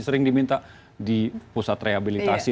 sering diminta di pusat rehabilitasi